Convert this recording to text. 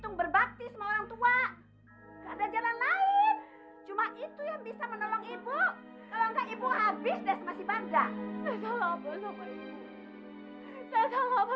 mas lumpan tenang aja